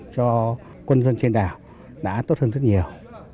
cho quân dân trên đảo đã tốt hơn rất nhiều